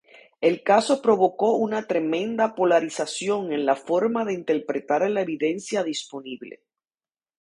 El caso provocó una tremenda polarización en la forma de interpretar la evidencia disponible.